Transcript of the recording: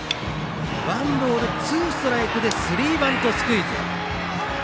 ワンボールツーストライクでスリーバントスクイズ。